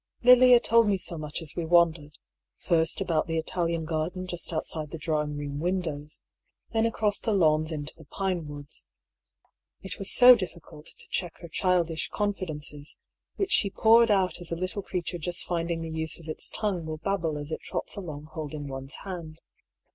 Lilia told me so much as we wandered, first about the Italian garden just outside the dining room windows, then across the lawns into the pinewoods. It was so diflScult to check her childish confidences, which she poured out as a little creature just finding the use of its tongue will babble as it trots along holding one's hand.